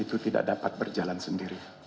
itu tidak dapat berjalan sendiri